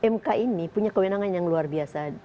mk ini punya kewenangan yang luar biasa